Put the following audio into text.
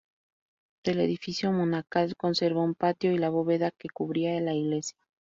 Del edificio monacal conserva un patio y la bóveda que cubría la iglesia.